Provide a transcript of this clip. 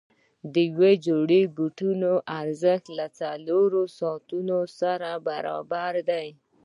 د یوې جوړې بوټانو ارزښت له څلورو ساعتونو سره برابر دی.